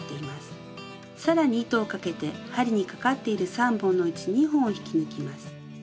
更に糸をかけて針にかかっている３本のうち２本を引き抜きます。